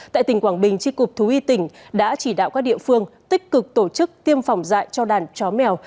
tại tỉnh quảng bình tri cục thú y tỉnh đã chỉ đạo các địa phương tích cực tổ chức tiêm phòng dạy cho đàn chó mèo